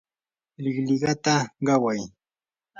liqliqata qaway